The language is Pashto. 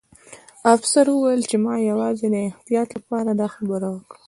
افسر وویل چې ما یوازې د احتیاط لپاره دا خبره وکړه